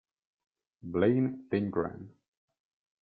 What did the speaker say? Blaine Lindgren